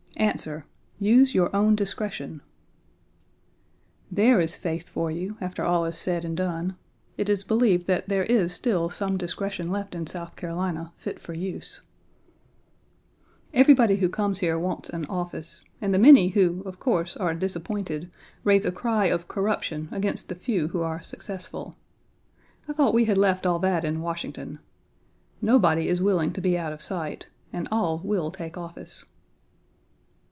Answer: "Use your own discretion!" There is faith for you, after all is said and done. It is believed there is still some discretion left in South Carolina fit for use. Everybody who comes here wants an office, and the many who, of course, are disappointed raise a cry of corruption against the few who are successful. I thought we had left all that in Washington. Nobody is willing to be out of sight, and all will take office.